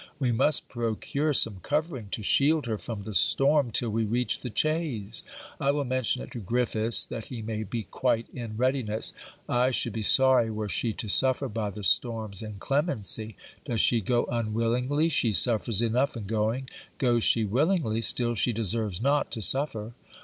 We must procure some covering, to shield her from the storm till we reach the chaise. I will mention it to Griffiths, that he may be quite in readiness. I should be sorry were she to suffer by the storm's inclemency. Does she go unwillingly, she suffers enough in going; goes she willingly, still she deserves not to suffer.